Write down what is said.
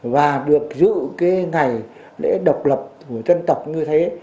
và được giữ cái ngày lễ độc lập của dân tộc như thế